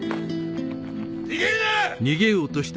逃げるな！